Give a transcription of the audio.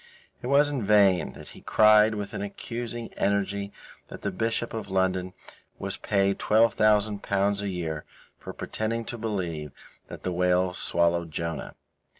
It was in vain that he cried with an accusing energy that the Bishop of London was paid L12,000 a year for pretending to believe that the whale swallowed Jonah.